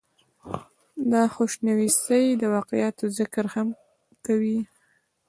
دَخوشنويسۍ دَواقعاتو ذکر هم کوي ۔